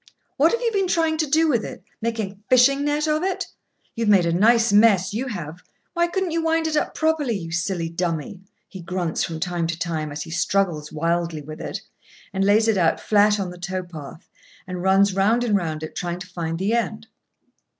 "What have you been trying to do with it, make a fishing net of it? You've made a nice mess you have; why couldn't you wind it up properly, you silly dummy?" he grunts from time to time as he struggles wildly with it, and lays it out flat on the tow path, and runs round and round it, trying to find the end.